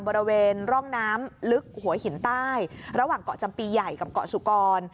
บริเวณร่องน้ำลึกหัวหินใต้ระหว่างเกาะจำปีใหญ่กับเกาะสุกร